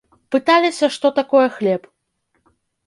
Пыталіся, што такое хлеб.